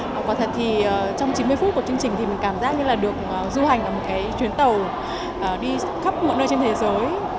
trong chín mươi phút của chương trình mình cảm giác như được du hành một chuyến tàu đi khắp mọi nơi trên thế giới